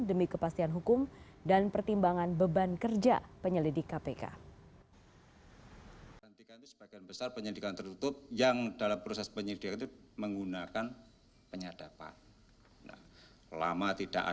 demi kepastian hukum dan pertimbangan beban kerja penyelidik kpk